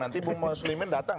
nanti bung suleiman datang